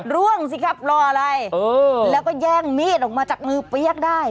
ร่วงสิครับรออะไรแล้วก็แย่งมีดออกมาจากมือเปี๊ยกได้